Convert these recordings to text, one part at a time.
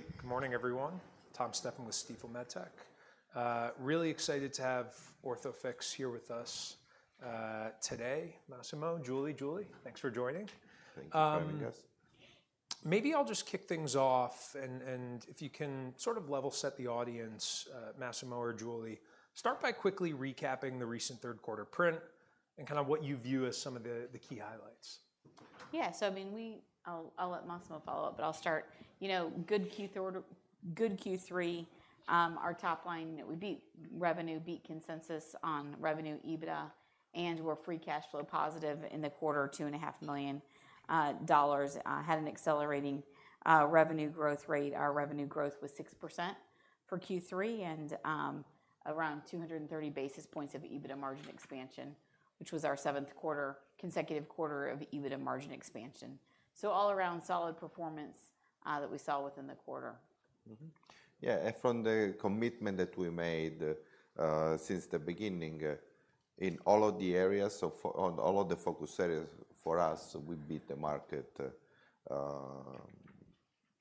Great. Good morning, everyone. Tom Steffen with Stifel Med Tech. Really excited to have Orthofix here with us today. Massimo, Julie, Julie, thanks for joining. Thanks for having us. Maybe I'll just kick things off, and if you can sort of level set the audience, Massimo or Julie, start by quickly recapping the recent third quarter print and kind of what you view as some of the key highlights. Yeah, so I mean, I'll let Massimo follow up, but I'll start. Good Q3. Our top line, we beat revenue, beat consensus on revenue, EBITDA, and we're free cash flow positive in the quarter, $2.5 million. Had an accelerating revenue growth rate. Our revenue growth was 6% for Q3 and around 230 basis points of EBITDA margin expansion, which was our seventh consecutive quarter of EBITDA margin expansion. So all around solid performance that we saw within the quarter. Yeah, and from the commitment that we made since the beginning in all of the areas, so on all of the focus areas for us, we beat the market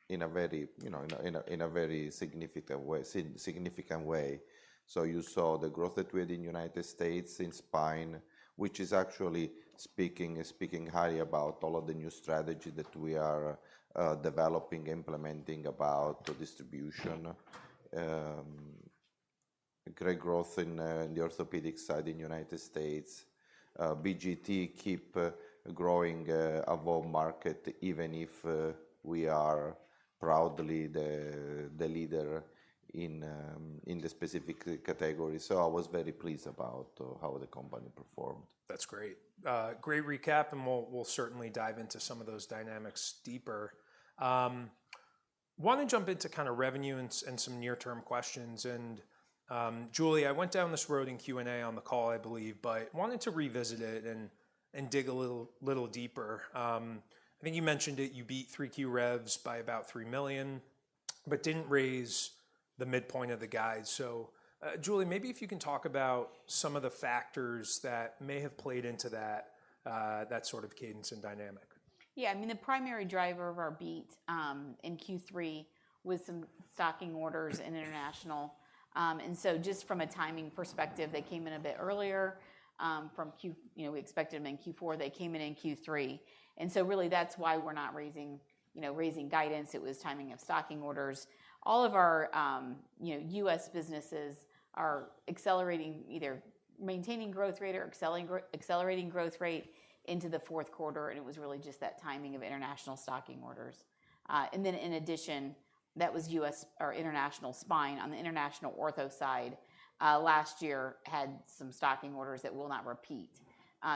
in a very significant way. So you saw the growth that we had in the United States in spine, which is actually speaking highly about all of the new strategy that we are developing, implementing about distribution. Great growth in the orthopedic side in the United States. BGT keep growing above market, even if we are proudly the leader in the specific category. So I was very pleased about how the company performed. That's great. Great recap, and we'll certainly dive into some of those dynamics deeper. Want to jump into kind of revenue and some near-term questions. And Julie, I went down this road in Q&A on the call, I believe, but wanted to revisit it and dig a little deeper. I think you mentioned that you beat three Q revs by about $3 million, but didn't raise the midpoint of the guide. So Julie, maybe if you can talk about some of the factors that may have played into that sort of cadence and dynamic. Yeah, I mean, the primary driver of our beat in Q3 was some stocking orders in international, and so just from a timing perspective, they came in a bit earlier than Q4, we expected them in Q4, they came in in Q3, and so really that's why we're not raising guidance, it was timing of stocking orders. All of our U.S. businesses are accelerating either maintaining growth rate or accelerating growth rate into the fourth quarter, and it was really just that timing of international stocking orders, and then in addition, that was U.S. or international spine on the international ortho side, last year had some stocking orders that will not repeat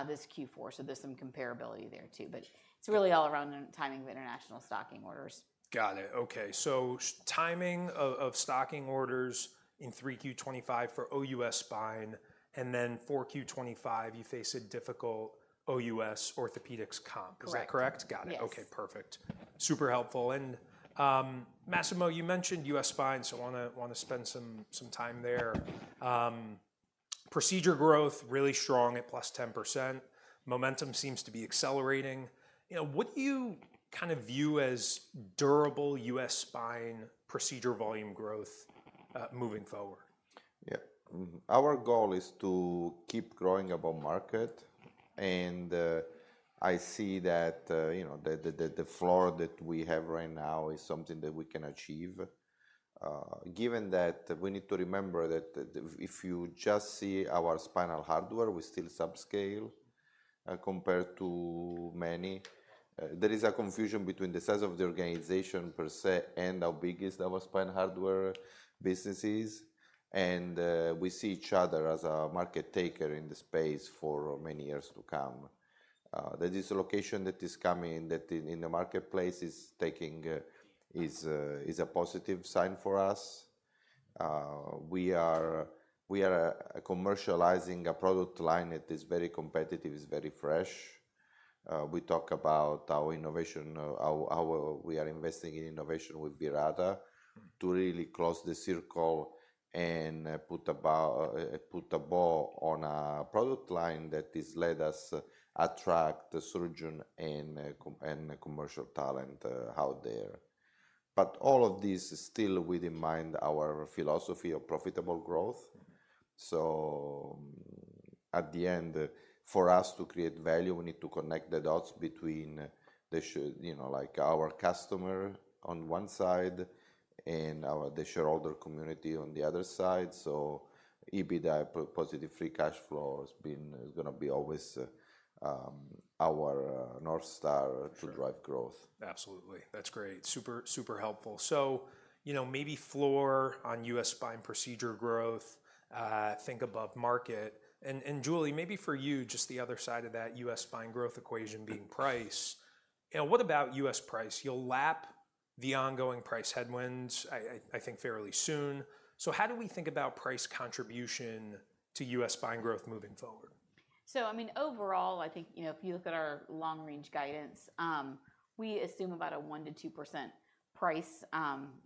this Q4, so there's some comparability there too, but it's really all around timing of international stocking orders. Got it. Okay. So timing of stocking orders in Q3 '25 for OUS spine, and then Q4 '25, you face a difficult OUS orthopedics comp. Is that correct? Correct. Got it. Okay. Perfect. Super helpful. And Massimo, you mentioned U.S. spine, so I want to spend some time there. Procedure growth really strong at +10%. Momentum seems to be accelerating. What do you kind of view as durable U.S. spine procedure volume growth moving forward? Yeah. Our goal is to keep growing above market, and I see that the floor that we have right now is something that we can achieve, given that we need to remember that if you just see our spinal hardware, we still subscale compared to many. There is a confusion between the size of the organization per se and our biggest spinal hardware businesses, and we see each other as a market taker in the space for many years to come. The dislocation that is coming in the marketplace is a positive sign for us. We are commercializing a product line that is very competitive, is very fresh. We talk about our innovation, how we are investing in innovation with Virata to really close the circle and put a bow on a product line that has led us to attract the surgeon and commercial talent out there. But all of this is still with our philosophy of profitable growth in mind. So at the end, for us to create value, we need to connect the dots between our customer on one side and the shareholder community on the other side. So, EBITDA positive free cash flow has been going to be always our North Star to drive growth. Absolutely. That's great. Super helpful. So maybe floor on U.S. spine procedure growth, think above market. And Julie, maybe for you, just the other side of that U.S. spine growth equation being price. What about U.S. price? You'll lap the ongoing price headwinds, I think, fairly soon. So how do we think about price contribution to U.S. spine growth moving forward? So I mean, overall, I think if you look at our long-range guidance, we assume about a 1%-2% price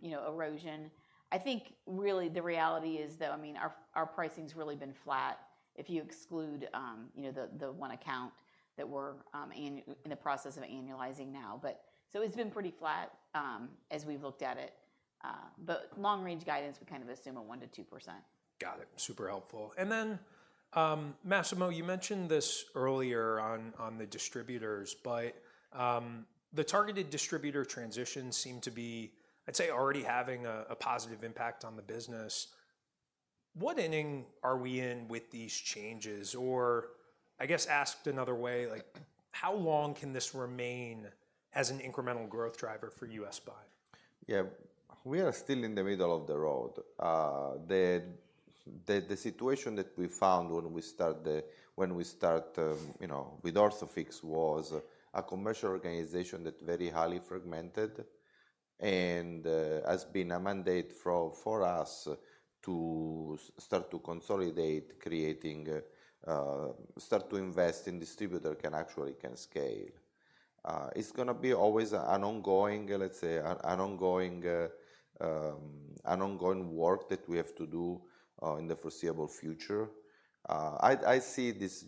erosion. I think really the reality is, though, I mean, our pricing has really been flat if you exclude the one account that we're in the process of annualizing now. So it's been pretty flat as we've looked at it. But long-range guidance, we kind of assume a 1%-2%. Got it. Super helpful, and then Massimo, you mentioned this earlier on the distributors, but the targeted distributor transition seemed to be, I'd say, already having a positive impact on the business. What inning are we in with these changes? Or I guess asked another way, how long can this remain as an incremental growth driver for U.S. spine? Yeah, we are still in the middle of the road. The situation that we found when we start with Orthofix was a commercial organization that's very highly fragmented and has been a mandate for us to start to consolidate, creating start to invest in distributors that can actually scale. It's going to be always an ongoing, let's say, an ongoing work that we have to do in the foreseeable future. I see this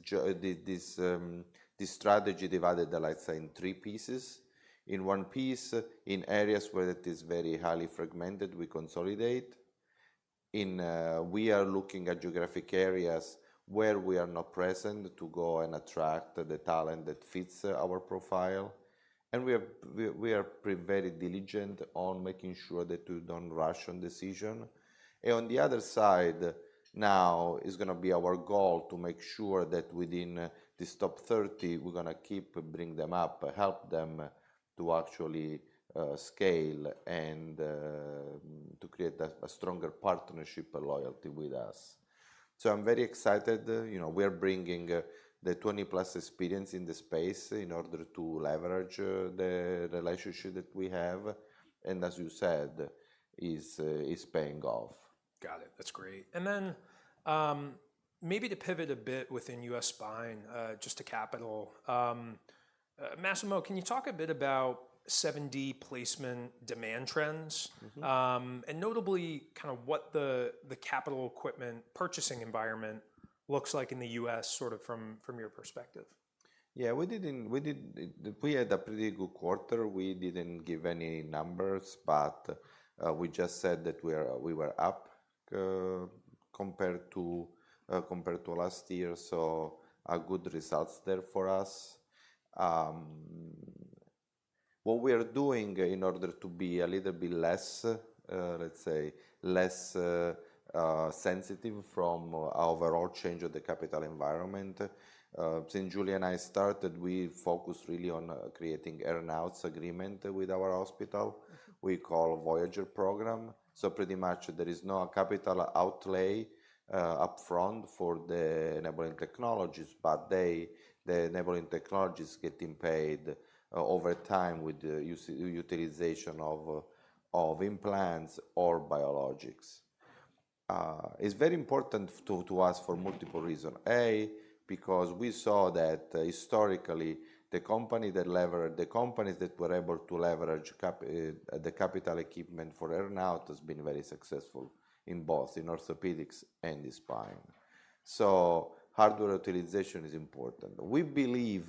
strategy divided like this in three pieces. In one piece, in areas where it is very highly fragmented, we consolidate. We are looking at geographic areas where we are not present to go and attract the talent that fits our profile, and we are very diligent on making sure that we don't rush on decision. And on the other side, now is going to be our goal to make sure that within the top 30, we're going to keep bringing them up, help them to actually scale and to create a stronger partnership loyalty with us. So I'm very excited. We are bringing the 20-plus experience in the space in order to leverage the relationship that we have. And as you said, is paying off. Got it. That's great. And then maybe to pivot a bit within U.S. spine, just the capital, Massimo, can you talk a bit about 7D placement demand trends and notably kind of what the capital equipment purchasing environment looks like in the U.S. sort of from your perspective? Yeah, we had a pretty good quarter. We didn't give any numbers, but we just said that we were up compared to last year, so good results there for us. What we are doing in order to be a little bit less, let's say, less sensitive from our overall change of the capital environment, since Julie and I started, we focused really on creating earnout agreements with our hospital. We call Voyager program. So pretty much there is no capital outlay upfront for the enabling technologies, but the enabling technologies getting paid over time with the utilization of implants or biologics. It's very important to us for multiple reasons. A, because we saw that historically the company that leveraged the companies that were able to leverage the capital equipment for earnout has been very successful in both in orthopedics and the spine. So hardware utilization is important. We believe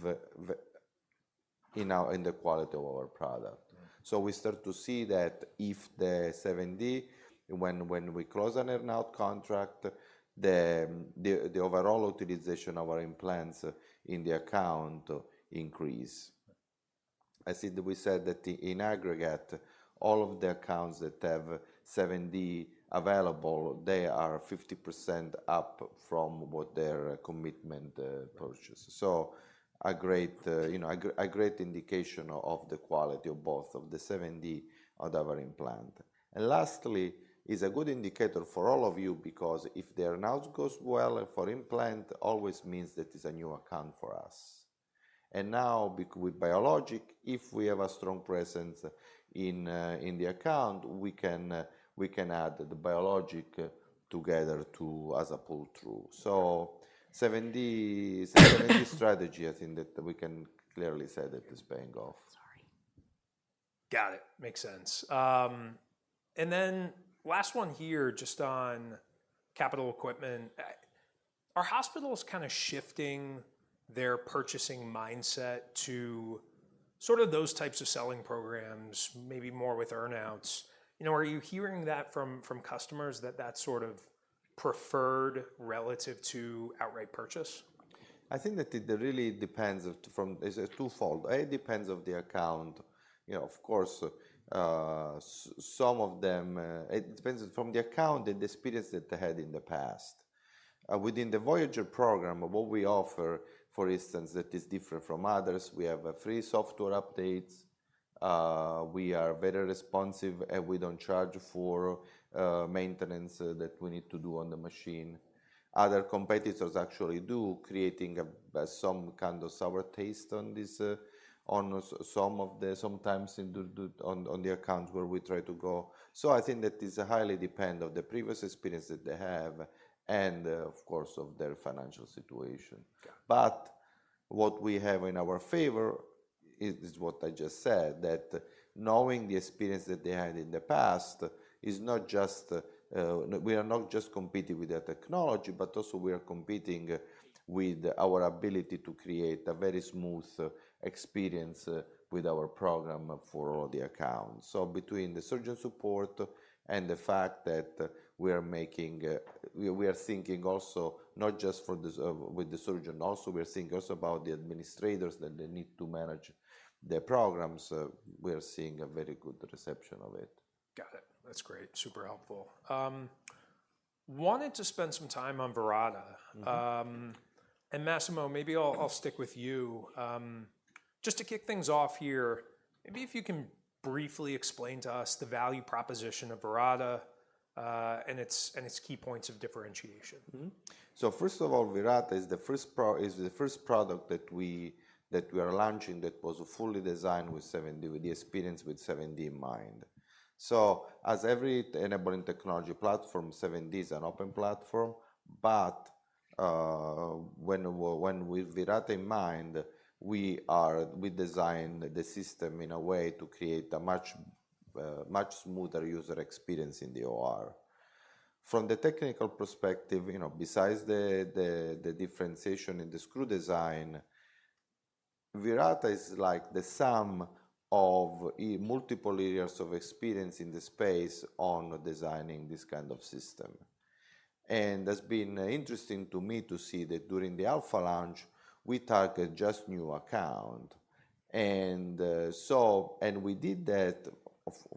in the quality of our product, so we start to see that if the 7D, when we close an earnout contract, the overall utilization of our implants in the account increase. I said that we said that in aggregate, all of the accounts that have 7D available, they are 50% up from what their commitment purchase, so a great indication of the quality of both of the 7D and our implant, and lastly, it's a good indicator for all of you because if the earnout goes well for implant, always means that it's a new account for us, and now with biologics, if we have a strong presence in the account, we can add the biologics together to as a pull through, so 7D strategy, I think that we can clearly say that it's paying off. Got it. Makes sense. And then last one here, just on capital equipment. Are hospitals kind of shifting their purchasing mindset to sort of those types of selling programs, maybe more with earnouts? Are you hearing that from customers that that's sort of preferred relative to outright purchase? I think that it really depends from it's twofold. A, depends of the account. Of course, some of them, it depends from the account and the experience that they had in the past. Within the Voyager program, what we offer, for instance, that is different from others, we have free software updates. We are very responsive and we don't charge for maintenance that we need to do on the machine. Other competitors actually do creating some kind of sour taste on some of the sometimes on the accounts where we try to go. So I think that is highly dependent on the previous experience that they have and, of course, of their financial situation. But what we have in our favor is what I just said, that knowing the experience that they had in the past, we are not just competing with that technology, but also we are competing with our ability to create a very smooth experience with our program for all the accounts. So between the surgeon support and the fact that we are thinking also not just with the surgeon, also we are thinking about the administrators that they need to manage the programs. We are seeing a very good reception of it. Got it. That's great. Super helpful. Wanted to spend some time on Virata. And Massimo, maybe I'll stick with you. Just to kick things off here, maybe if you can briefly explain to us the value proposition of Virata and its key points of differentiation. So first of all, Virata is the first product that we are launching that was fully designed with 7D with the experience with 7D in mind. So as every enabling technology platform, 7D is an open platform. But when with Virata in mind, we designed the system in a way to create a much smoother user experience in the OR. From the technical perspective, besides the differentiation in the screw design, Virata is like the sum of multiple areas of experience in the space on designing this kind of system. And it's been interesting to me to see that during the alpha launch, we target just new account. And so we did that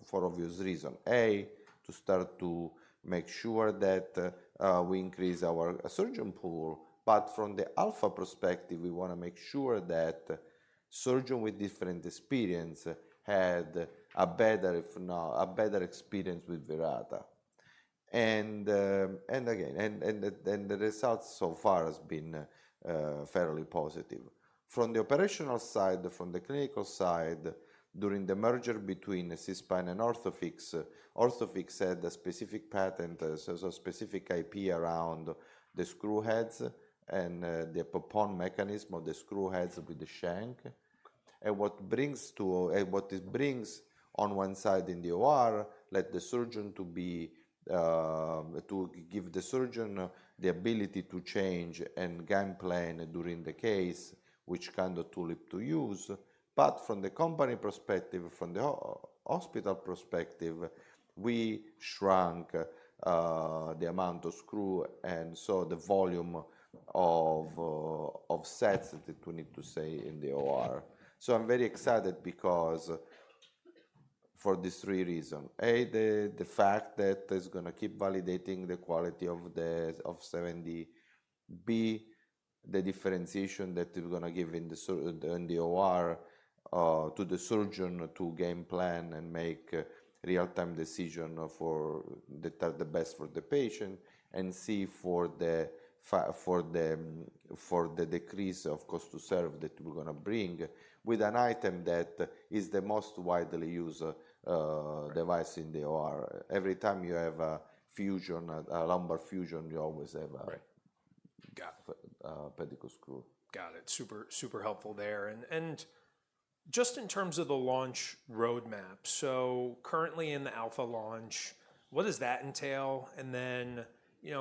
for obvious reason. A, to start to make sure that we increase our surgeon pool. But from the alpha perspective, we want to make sure that surgeon with different experience had a better experience with Virata. Again, the results so far have been fairly positive. From the operational side, from the clinical side, during the merger between SeaSpine and Orthofix, Orthofix had a specific patent, a specific IP around the screw heads and the locking mechanism of the screw heads with the shank. What it brings on one side in the OR lets the surgeon the ability to change and game plan during the case, which kind of tool to use. From the company perspective, from the hospital perspective, we shrunk the amount of screws and so the volume of sets that we need to have in the OR. I'm very excited because for these three reasons. A, the fact that it's going to keep validating the quality of 7D. B, the differentiation that is going to give in the OR to the surgeon to game plan and make real-time decision for the best for the patient and C for the decrease of cost to serve that we're going to bring with an item that is the most widely used device in the OR. Every time you have a fusion, a lumbar fusion, you always have a pedicle screw. Got it. Super helpful there. And just in terms of the launch roadmap, so currently in the alpha launch, what does that entail? And then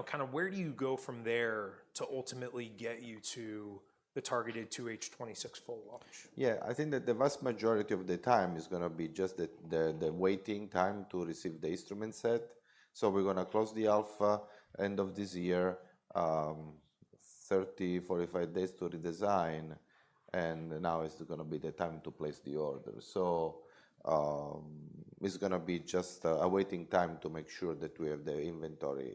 kind of where do you go from there to ultimately get you to the targeted H2 26 full launch? Yeah, I think that the vast majority of the time is going to be just the waiting time to receive the instrument set. So we're going to close the alpha end of this year, 30-45 days to redesign. And now it's going to be the time to place the order. So it's going to be just a waiting time to make sure that we have the inventory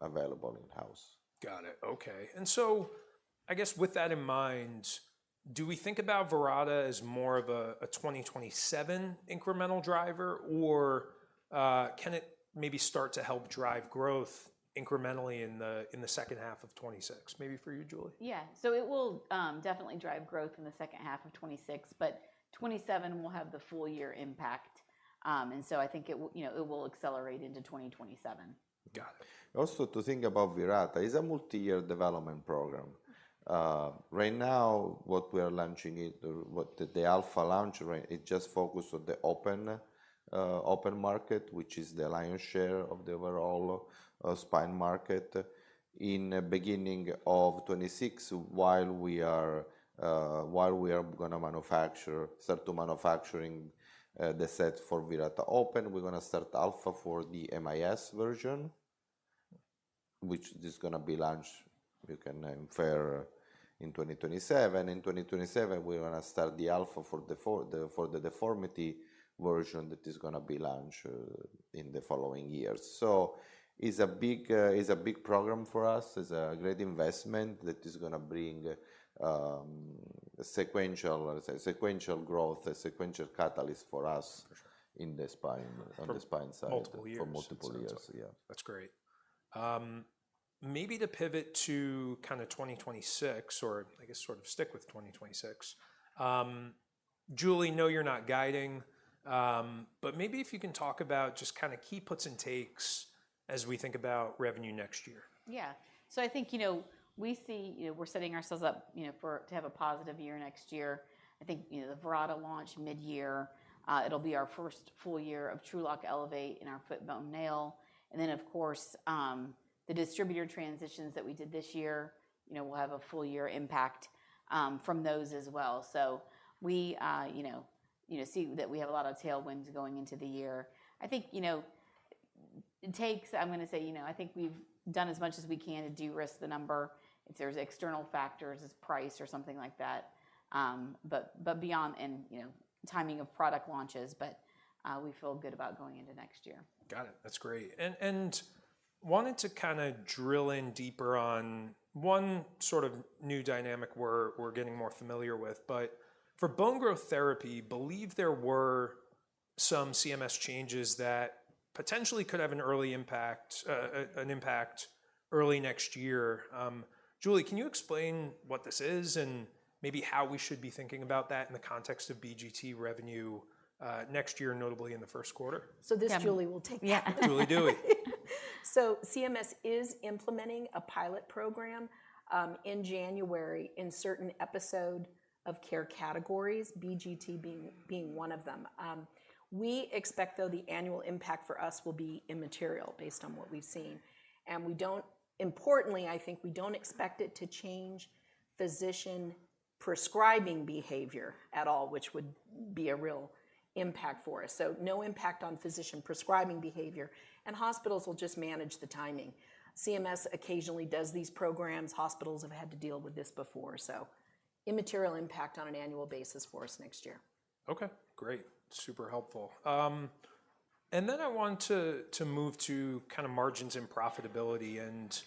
available in-house. Got it. Okay. And so I guess with that in mind, do we think about Virata as more of a 2027 incremental driver, or can it maybe start to help drive growth incrementally in the second half of 2026? Maybe for you, Julie? Yeah. So it will definitely drive growth in the second half of 2026, but 2027 will have the full year impact. And so I think it will accelerate into 2027. Got it. Also to think about Virata is a multi-year development program. Right now, what we are launching is the alpha launch. It just focused on the open market, which is the lion's share of the overall spine market. In the beginning of 2026, while we are going to manufacture the set for Virata open, we're going to start alpha for the MIS version, which is going to be launched, you can infer in 2027. In 2027, we're going to start the alpha for the deformity version that is going to be launched in the following years. So it's a big program for us. It's a great investment that is going to bring sequential growth, sequential catalyst for us in the spine side for multiple years. Yeah. That's great. Maybe to pivot to kind of 2026 or I guess sort of stick with 2026. Julie, no, you're not guiding, but maybe if you can talk about just kind of key puts and takes as we think about revenue next year. Yeah. So I think we see we're setting ourselves up to have a positive year next year. I think the Virata launch mid-year. It'll be our first full year of TrueLok Elevate and our FITBONE. And then, of course, the distributor transitions that we did this year will have a full year impact from those as well. So we see that we have a lot of tailwinds going into the year. I think it takes. I'm going to say, I think we've done as much as we can to de-risk the number if there's external factors as price or something like that, but beyond that and timing of product launches, but we feel good about going into next year. Got it. That's great. And wanted to kind of drill in deeper on one sort of new dynamic we're getting more familiar with, but for bone growth therapy, believe there were some CMS changes that potentially could have an early impact early next year. Julie, can you explain what this is and maybe how we should be thinking about that in the context of BGT revenue next year, notably in the first quarter? This, Julie, will take that. Yeah, Julie, do it. So CMS is implementing a pilot program in January in certain episode of care categories, BGT being one of them. We expect, though, the annual impact for us will be immaterial based on what we've seen. And importantly, I think we don't expect it to change physician prescribing behavior at all, which would be a real impact for us. So no impact on physician prescribing behavior. And hospitals will just manage the timing. CMS occasionally does these programs. Hospitals have had to deal with this before. So immaterial impact on an annual basis for us next year. Okay. Great. Super helpful. And then I want to move to kind of margins and profitability. And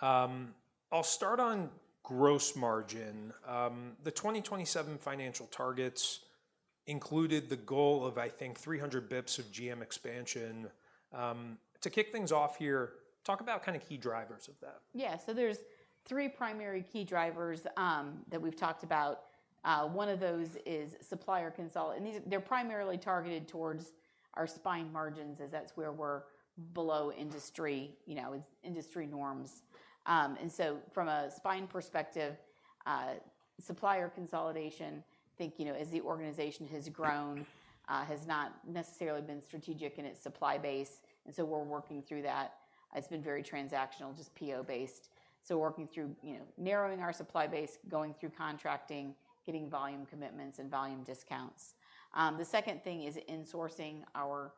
I'll start on gross margin. The 2027 financial targets included the goal of, I think, 300 basis points of GM expansion. To kick things off here, talk about kind of key drivers of that. Yeah. So there's three primary key drivers that we've talked about. One of those is supplier consolidation. And they're primarily targeted towards our spine margins as that's where we're below industry norms. And so from a spine perspective, supplier consolidation, I think as the organization has grown, has not necessarily been strategic in its supply base. And so we're working through that. It's been very transactional, just PO based. So we're working through narrowing our supply base, going through contracting, getting volume commitments and volume discounts. The second thing is insourcing our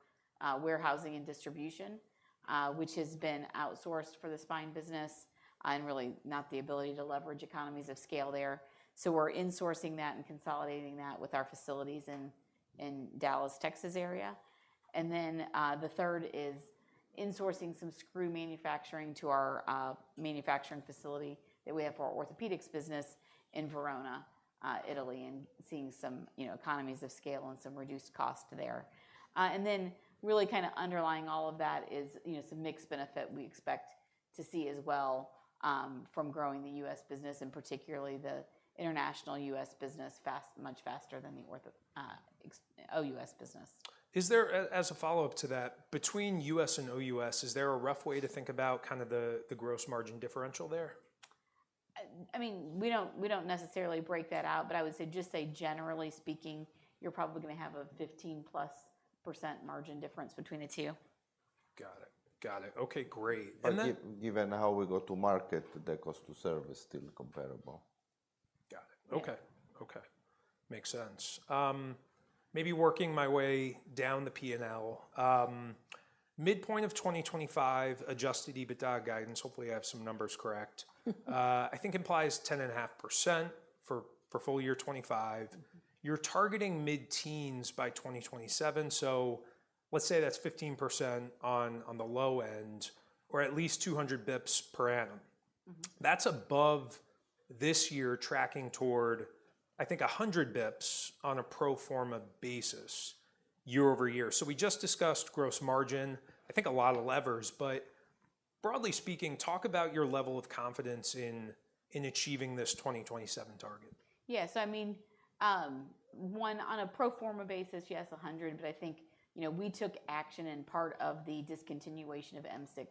warehousing and distribution, which has been outsourced for the spine business and really not the ability to leverage economies of scale there. So we're insourcing that and consolidating that with our facilities in Dallas, Texas area. And then the third is insourcing some screw manufacturing to our manufacturing facility that we have for our Orthopedics business in Verona, Italy, and seeing some economies of scale and some reduced costs there. And then really kind of underlying all of that is some mixed benefit we expect to see as well from growing the U.S. business, and particularly the domestic U.S. business, much faster than the OUS business. As a follow-up to that, between U.S. and OUS, is there a rough way to think about kind of the gross margin differential there? I mean, we don't necessarily break that out, but I would say just say generally speaking, you're probably going to have a 15-plus% margin difference between the two. Got it. Got it. Okay. Great. Even how we go to market, the cost to service is still comparable. Got it. Okay. Okay. Makes sense. Maybe working my way down the P&L. Midpoint of 2025, adjusted EBITDA guidance, hopefully I have some numbers correct. I think implies 10.5% for full year 2025. You're targeting mid-teens by 2027. So let's say that's 15% on the low end or at least 200 basis points per annum. That's above this year tracking toward, I think, 100 basis points on a pro forma basis year over year. So we just discussed gross margin. I think a lot of levers, but broadly speaking, talk about your level of confidence in achieving this 2027 target. Yeah. So I mean, on a pro forma basis, yes, 100, but I think we took action and part of the discontinuation of M6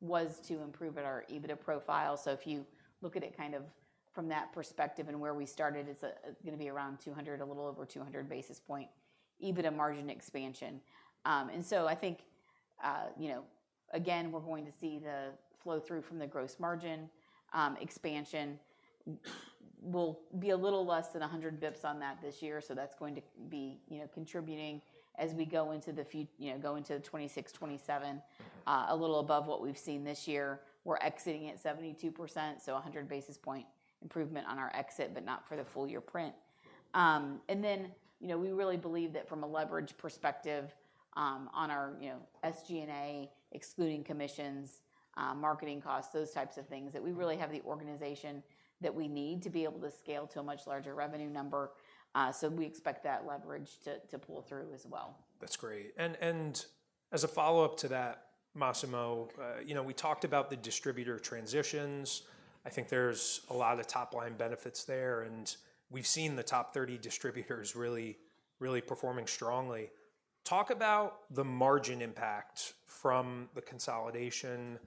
was to improve our EBITDA profile. So if you look at it kind of from that perspective and where we started, it's going to be around 200, a little over 200 basis point EBITDA margin expansion. And so I think, again, we're going to see the flow through from the gross margin expansion. We'll be a little less than 100 basis points on that this year. So that's going to be contributing as we go into 2026, 2027, a little above what we've seen this year. We're exiting at 72%, so 100 basis point improvement on our exit, but not for the full year print. And then we really believe that from a leverage perspective on our SG&A, excluding commissions, marketing costs, those types of things, that we really have the organization that we need to be able to scale to a much larger revenue number. So we expect that leverage to pull through as well. That's great. And as a follow-up to that, Massimo, we talked about the distributor transitions. I think there's a lot of top-line benefits there, and we've seen the top 30 distributors really performing strongly. Talk about the margin impact from the consolidation,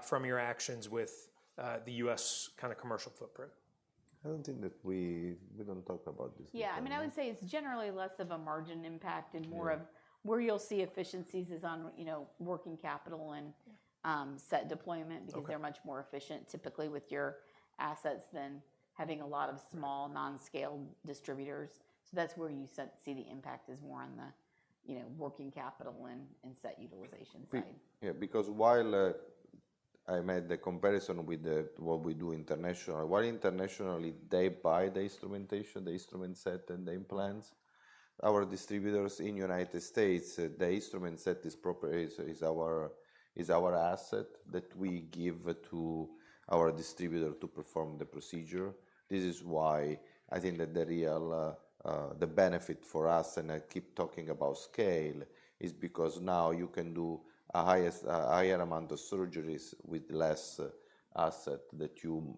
from your actions with the U.S. kind of commercial footprint? I don't think that we don't talk about this. Yeah. I mean, I would say it's generally less of a margin impact and more of where you'll see efficiencies is on working capital and set deployment because they're much more efficient typically with your assets than having a lot of small non-scale distributors. So that's where you see the impact is more on the working capital and set utilization side. Yeah. Because while I made the comparison with what we do internationally, while internationally, they buy the instrumentation, the instrument set and the implants. Our distributors in the United States, the instrument set is our asset that we give to our distributor to perform the procedure. This is why I think that the real benefit for us, and I keep talking about scale, is because now you can do a higher amount of surgeries with less asset that you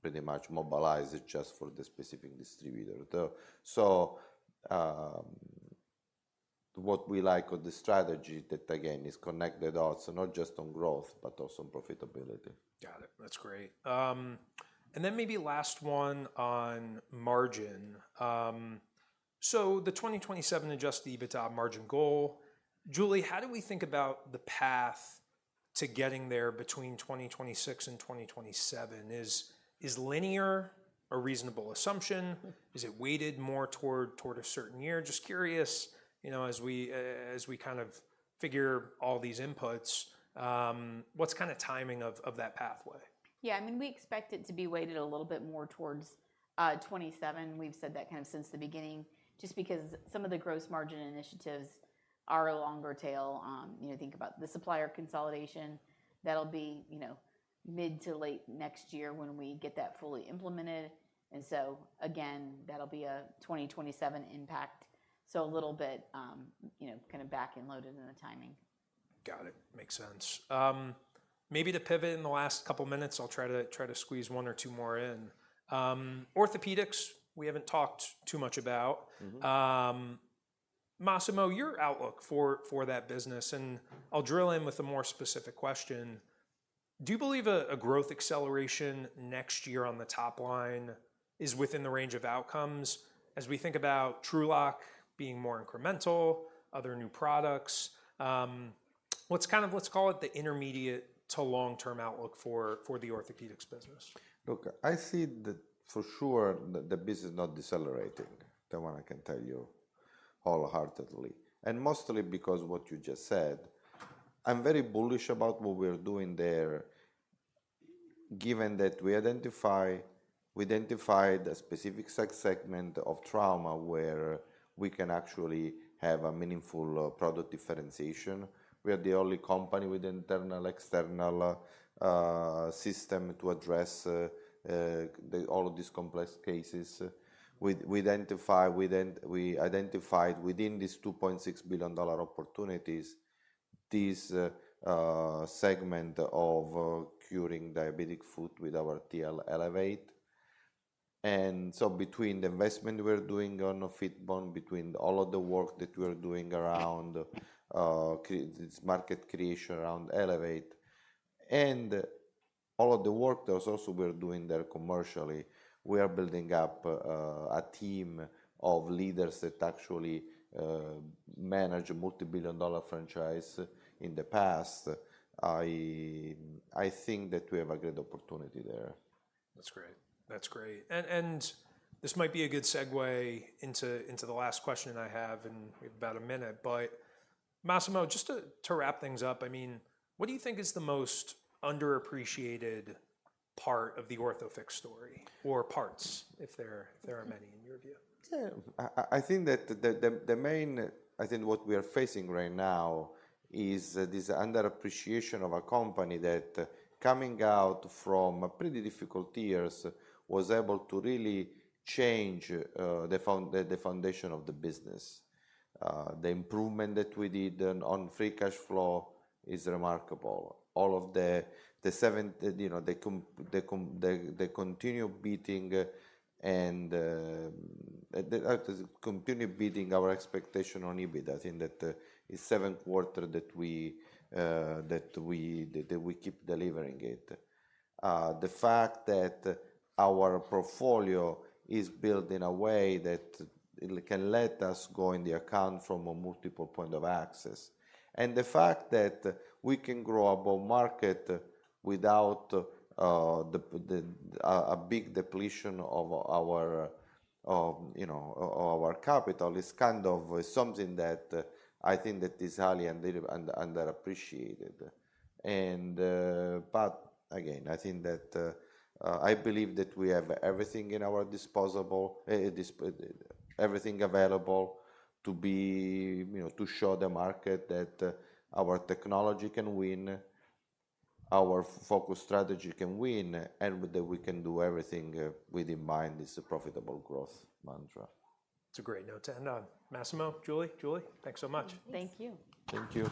pretty much mobilize just for the specific distributor. So what we like of the strategy that, again, is connected also, not just on growth, but also on profitability. Got it. That's great. And then maybe last one on margin. So the 2027 adjusted EBITDA margin goal, Julie, how do we think about the path to getting there between 2026 and 2027? Is linear a reasonable assumption? Is it weighted more toward a certain year? Just curious, as we kind of figure all these inputs, what's kind of timing of that pathway? Yeah. I mean, we expect it to be weighted a little bit more towards 27. We've said that kind of since the beginning just because some of the gross margin initiatives are a longer tail. Think about the supplier consolidation. That'll be mid to late next year when we get that fully implemented. And so again, that'll be a 2027 impact. So a little bit kind of back and loaded in the timing. Got it. Makes sense. Maybe to pivot in the last couple of minutes, I'll try to squeeze one or two more in. Orthopedics, we haven't talked too much about. Massimo, your outlook for that business, and I'll drill in with a more specific question. Do you believe a growth acceleration next year on the top line is within the range of outcomes as we think about TrueLok being more incremental, other new products? What's kind of, let's call it the intermediate to long-term outlook for the Orthopedics business? Look, I see that for sure the business is not decelerating, the one I can tell you wholeheartedly. And mostly because what you just said, I'm very bullish about what we're doing there, given that we identified a specific segment of trauma where we can actually have a meaningful product differentiation. We are the only company with internal external system to address all of these complex cases. We identified within these $2.6 billion opportunities, this segment of curing diabetic foot with our TRULOC Elevate. And so between the investment we're doing on a FITBONE, between all of the work that we're doing around this market creation around Elevate and all of the work that we're doing there commercially, we are building up a team of leaders that actually manage a multi-billion dollar franchise in the past. I think that we have a great opportunity there. That's great. That's great. And this might be a good segue into the last question I have, and we have about a minute. But Massimo, just to wrap things up, I mean, what do you think is the most underappreciated part of the Orthofix story or parts, if there are many in your view? I think what we are facing right now is this underappreciation of a company that coming out from pretty difficult years was able to really change the foundation of the business. The improvement that we did on free cash flow is remarkable. All of the continued beating our expectation on EBITDA, I think that is seven quarters that we keep delivering it. The fact that our portfolio is built in a way that can let us go in the account from a multiple point of access. The fact that we can grow in a bull market without a big depletion of our capital is kind of something that I think that is highly underappreciated. I think we have everything available to show the market that our technology can win, our focus strategy can win, and that we can do everything with, in mind, is a profitable growth mantra. That's a great note to end on. Massimo, Julie, Julie, thanks so much. Thank you. Thank you.